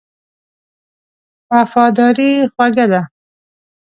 وفاداري خوږه ده.